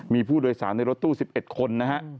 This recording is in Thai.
มีผู้โดยสารในรถตู้๑๑คนนะฮะ